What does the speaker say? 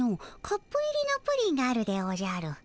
カップ入りのプリンがあるでおじゃる。